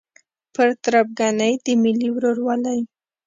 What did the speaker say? پر تربګنۍ د ملي ورورولۍ